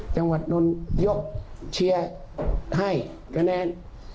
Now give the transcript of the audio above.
จังหวัดนนท์ยกเชียร์ให้คะแนน